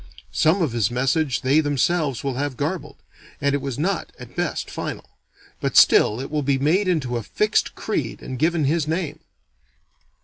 Some of his message they themselves will have garbled; and it was not, at best, final; but still it will be made into a fixed creed and given his name.